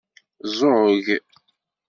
Ẓugg.